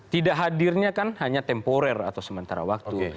tidak hadirnya kan hanya temporer atau sementara waktu